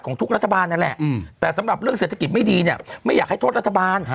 ทุกรัฐบาลนั่นแหละแต่สำหรับเรื่องเศรษฐกิจไม่ดีเนี่ยไม่อยากให้โทษรัฐบาล